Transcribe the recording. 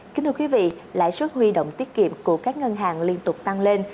kính thưa quý vị lãi suất huy động tiết kiệm của các ngân hàng liên tục tăng lên